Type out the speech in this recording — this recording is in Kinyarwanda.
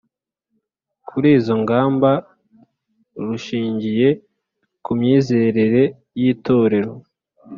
kuri izo ngamba rishingiye ku myizerere y Itorero